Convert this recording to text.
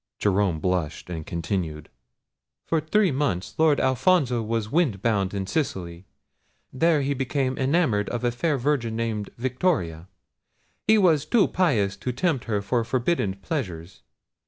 Jerome blushed, and continued. "For three months Lord Alfonso was wind bound in Sicily. There he became enamoured of a fair virgin named Victoria. He was too pious to tempt her to forbidden pleasures.